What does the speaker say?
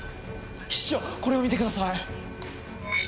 室長これを見てください！